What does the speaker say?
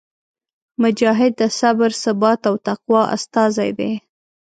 مجاهد د صبر، ثبات او تقوا استازی دی.